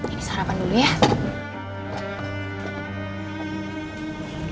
ini sarapan dulu ya